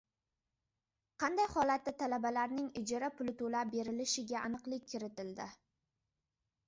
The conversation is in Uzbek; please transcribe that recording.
Qanday holatda talabalarning ijara puli to‘lab berilishiga aniqlik kiritildi